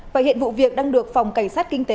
và hiện vụ việc đang được phòng cảnh sát kinh tế